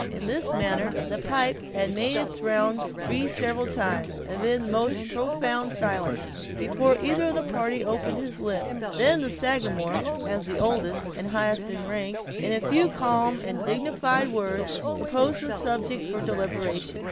In this manner the pipe had made its rounds three several times, amid the most profound silence, before either of the party opened his lips. Then the Sagamore, as the oldest and highest in rank, in a few calm and dignified words, proposed the subject for deliberation.